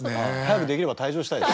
早くできれば退場したい。